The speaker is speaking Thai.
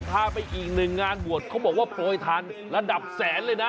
พาไปอีกหนึ่งงานบวชเขาบอกว่าโปรยทานระดับแสนเลยนะ